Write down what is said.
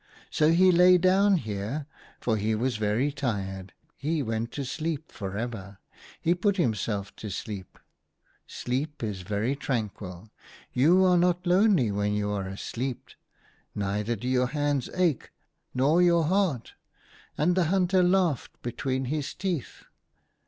So he lay down here, for he was very tired. He went to sleep for ever. He put himself to sleep. Sleep is very tranquil. You are not lonely when you are asleep, neither do your hands THE HUNTER. 47 ache, nor your heart." And the hunter laughed between his teeth.